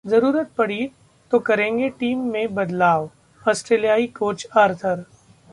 जरूरत पड़ी तो करेंगे टीम में बदलावः ऑस्ट्रेलियाई कोच आर्थर